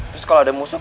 terus kalau ada musuh